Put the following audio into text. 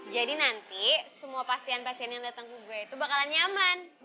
jadi nanti semua pasien pasien yang dateng ke gue itu bakalan nyaman